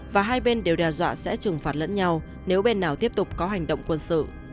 và hai bên đều đe dọa sẽ trừng phạt lẫn nhau nếu bên nào tiếp tục có hành động quân sự